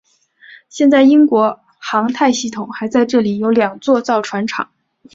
现在英国航太系统还在这里有两座造船厂。